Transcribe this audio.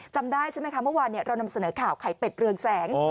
จำได้ใช่ไหมคะเมื่อวานเรานำเสนอข่าวไข่เป็ดเรืองแสง